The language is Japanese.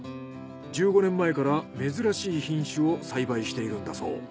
１５年前から珍しい品種を栽培しているんだそう。